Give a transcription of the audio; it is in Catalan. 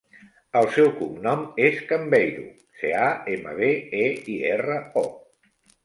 El seu cognom és Cambeiro: ce, a, ema, be, e, i, erra, o.